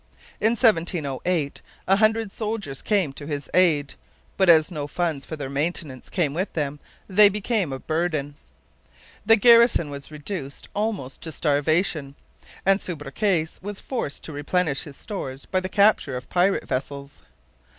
In 1708 a hundred soldiers came to his aid; but as no funds for their maintenance came with them, they became a burden. The garrison was reduced almost to starvation; and Subercase was forced to replenish his stores by the capture of pirate vessels.